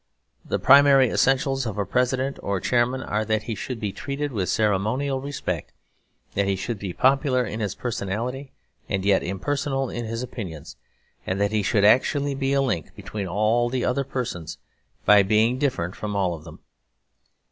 The primary essentials of a President or Chairman are that he should be treated with ceremonial respect, that he should be popular in his personality and yet impersonal in his opinions, and that he should actually be a link between all the other persons by being different from all of them.